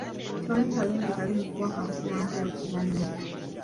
Tewali kalungi kali mu kuwakankula ntalo ku banno.